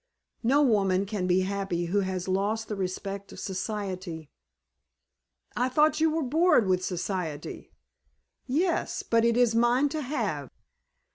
"No woman can be happy who has lost the respect of Society." "I thought you were bored with Society." "Yes, but it is mine to have.